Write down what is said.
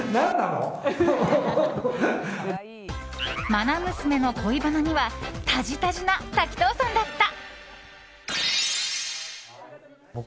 愛娘の恋バナにはたじたじな滝藤さんだった。